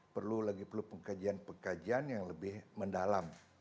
perlu lagi perlu pengkajian pengkajian yang lebih mendalam